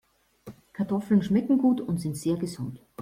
Kartoffeln schmecken gut und sind sehr gesund.